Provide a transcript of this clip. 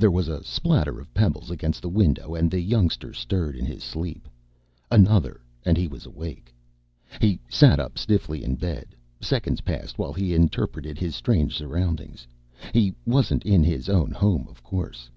There was a spatter of pebbles against the window and the youngster stirred in his sleep. Another, and he was awake. He sat up stiffly in bed. Seconds passed while he interpreted his strange surroundings. He wasn't in his own home, of course.